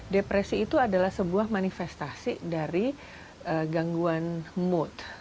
depresi itu adalah sebuah manifestasi dari gangguan mood